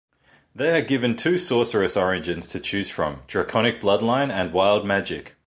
They are given two Sorcerous Origins to choose from: Draconic Bloodline and Wild Magic.